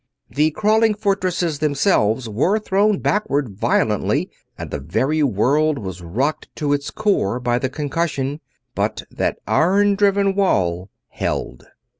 The crawling fortresses themselves were thrown backward violently and the very world was rocked to its core by the concussion, but that iron driven wall held.